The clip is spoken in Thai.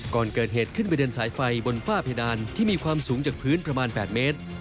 ก่อนเกิดเหตุขึ้นไปเดินสายไฟบนฝ้าเพดานที่มีความสูงจากพื้นประมาณ๘เมตร